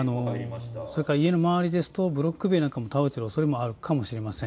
家の周りですとブロック塀なんかも倒れているおそれもあるかもしれません。